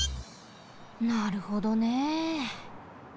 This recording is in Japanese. なるほどね。